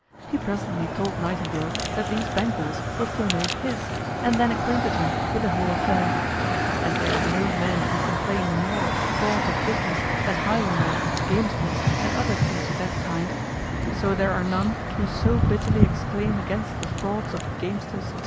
He presently told Nightingale that these bank bills were formerly his, and then acquainted him with the whole affair. As there are no men who complain more of the frauds of business than highwaymen, gamesters, and other thieves of that kind, so there are none who so bitterly exclaim against the frauds of gamesters, &c.